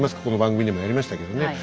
ここの番組でもやりましたけどね